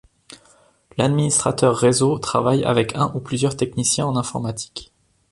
L’administrateur réseau travaille avec un ou plusieurs techniciens en informatique.